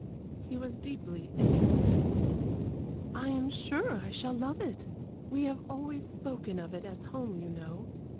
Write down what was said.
He was deeply interested. "I am sure I shall love it. We have always spoken of it as home, you know.